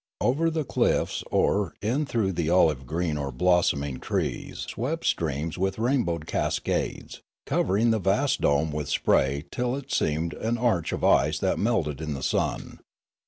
Over the cliffs or in through the olive green or blossoming trees swept streams with rainbowed cascades, covering the vast dome with spray till it seemed an arch of ice that melted in the sun.